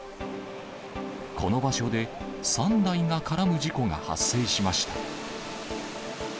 この場所で３台が絡む事故が発生しました。